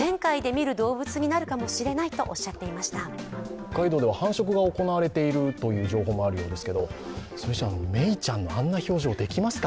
北海道では繁殖が行われているという情報もあるようですけど、それにしてもメイちゃんのあんな表情できますか、